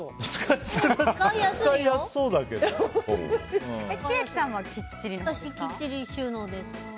私はきっちり収納です。